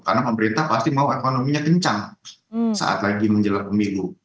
karena pemerintah pasti mau ekonominya kencang saat lagi menjelang pemilu